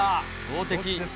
強敵。